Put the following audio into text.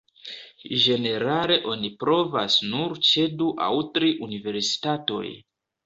Ĝenerale oni provas nur ĉe du aŭ tri universitatoj.